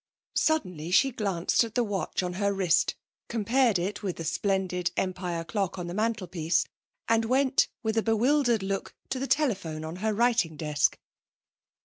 Suddenly she glanced at the watch on her wrist, compared it with the splendid Empire clock on the mantelpiece, and went with a bewildered look to the telephone on her writing desk.